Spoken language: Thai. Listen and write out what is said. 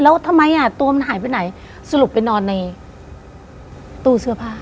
แล้วทำไมอ่ะตัวมันหายไปไหนสรุปไปนอนในตู้เสื้อผ้า